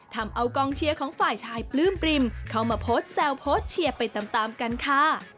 ทำเอากองเชียร์ของฝ่ายชายปลื้มปริมเข้ามาโพสต์แซวโพสต์เชียร์ไปตามกันค่ะ